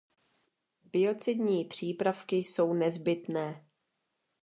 Biocidní přípravky jsou nezbytné.